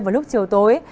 vào lúc chiều tối